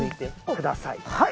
はい。